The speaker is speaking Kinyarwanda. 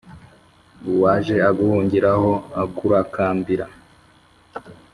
uwaj e aguhungira ho agurakambira